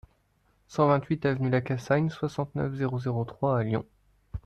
cent vingt-huit avenue Lacassagne, soixante-neuf, zéro zéro trois à Lyon